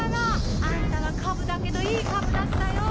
あんたはカブだけどいいカブだったよ！